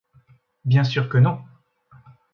Bien sûr que non.